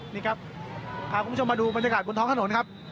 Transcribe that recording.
นี่ครับพาคุณผู้ชมมาดูบรรยากาศบนท้องถนนครับ